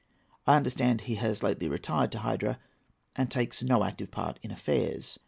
I understand he has lately retired to Hydra, and takes no active part in affairs.